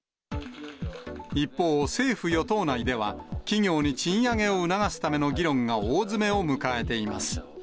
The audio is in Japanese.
一方、政府・与党内では、企業に賃上げを促すための議論が大詰めを迎えています。